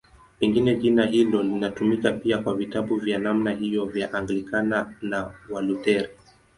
Pengine jina hilo linatumika pia kwa vitabu vya namna hiyo vya Anglikana na Walutheri.